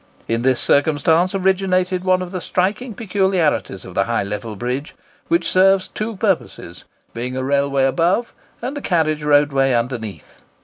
In this circumstance originated one of the striking peculiarities of the High Level Bridge, which serves two purposes, being a railway above and a carriage roadway underneath.